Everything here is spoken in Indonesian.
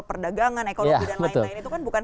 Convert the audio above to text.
perdagangan ekonomi dan lain lain itu kan bukan